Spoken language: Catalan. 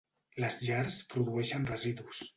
Les llars produeixen residus.